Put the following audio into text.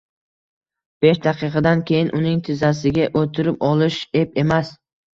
besh daqiqadan keyin uning tizzasiga o‘tirib olish ep emas.